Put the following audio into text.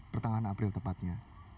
pertengahan april tepatnya